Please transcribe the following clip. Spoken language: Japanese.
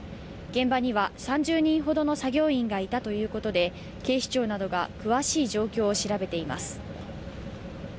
現場には３０人ほどの作業員がいたということで警視庁などが詳しい状況を調べています。